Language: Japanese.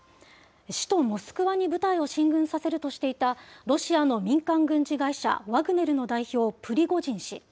首都モスクワに部隊を進軍させるとしていたロシアの民間軍事会社ワグネルの代表、プリゴジン氏。